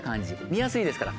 見やすいですから。